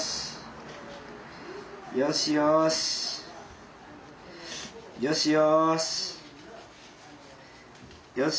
よしよし。